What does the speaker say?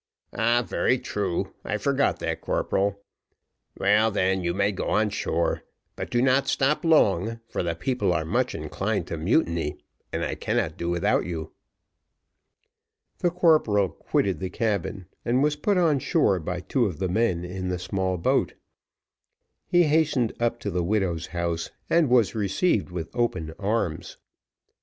"Ah, very true, I forgot that, corporal. Well, then, you may go on shore; but do not stop long, for the people are much inclined to mutiny, and I cannot do without you." The corporal quitted the cabin and was put on shore by two of the men in the small boat. He hastened up to the widow's house, and was received with open arms.